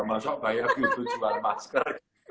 masa pak ya butuh jual masker